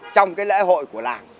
trong cái lễ hội của làng